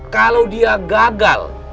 kalau dia gagal